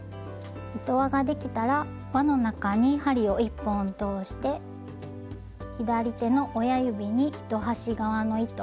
糸輪ができたら輪の中に針を１本通して左手の親指に糸端側の糸